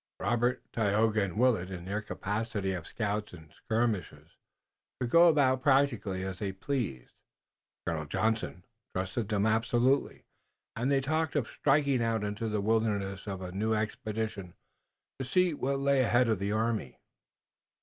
Robert, Tayoga and Willet, in their capacity of scouts and skirmishers, could go about practically as they pleased. Colonel Johnson trusted them absolutely and they talked of striking out into the wilderness on a new expedition to see what lay ahead of the army.